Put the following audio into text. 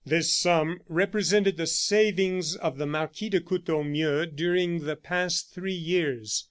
This sum represented the savings of the Marquis de Courtornieu during the past three years.